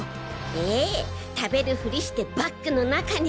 ええ食べるフリしてバッグの中に。